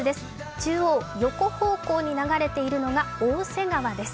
中央横方向に流れているのが逢瀬川です。